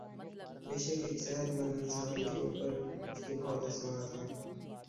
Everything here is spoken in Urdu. بیشک ایک صحت مند اانسان کے اوپر اسکے بہت احسانات ہیں